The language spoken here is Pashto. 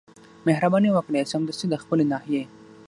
مهرباني وکړئ سمدستي د خپلي ناحيې